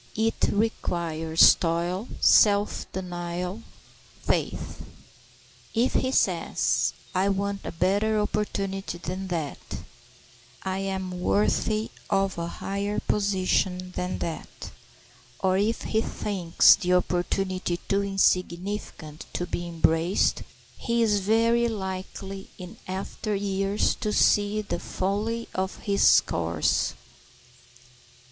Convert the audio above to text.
It requires toil, self denial, faith. If he says, "I want a better opportunity than that; I am worthy of a higher position than that," or if he thinks the opportunity too insignificant to be embraced, he is very likely in after years to see the folly of his course.